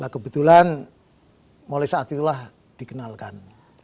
kebetulan mulai saat itulah dikenalkan